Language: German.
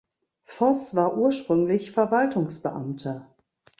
Voss war ursprünglich Verwaltungsbeamter.